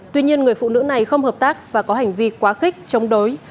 tuy nhiên người phụ nữ này không hợp tác và có hành vi quá khích chống đối